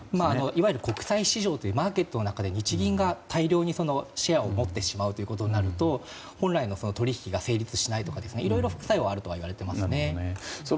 いわゆる国際市場というマーケットの中で日銀が大量にシェアを持ってしまうことになると本来の取引がいろいろ副作用があるといわれていますね。